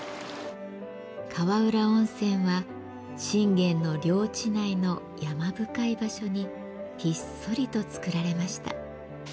川浦温泉は信玄の領地内の山深い場所にひっそりとつくられました。